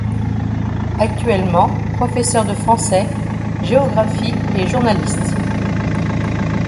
Actuellement professeur de français, géographie et journaliste.